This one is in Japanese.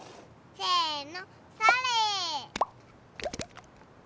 せの！